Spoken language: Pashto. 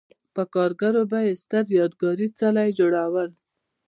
په کارګرو به یې ستر یادګاري څلي جوړول.